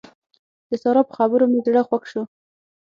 د سارا په خبرو مې زړه خوږ شو.